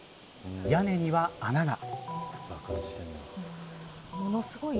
屋根には穴が。